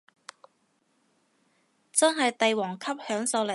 真係帝王級享受嚟